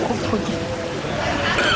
sama keluarga juga